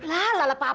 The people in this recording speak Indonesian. lah lala papa